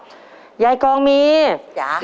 เจ้าน่ะครับยายกองมีย